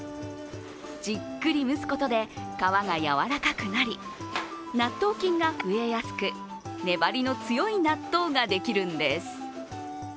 じっくり蒸すことで皮がやわらかくなり、納豆菌が増えやすく粘りの強い納豆ができるんです。